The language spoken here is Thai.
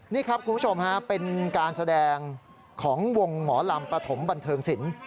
นี่ครับคุณผู้ชมฮะเป็นการแสดงของวงหมอลำปฐมบันเทิงศิลป์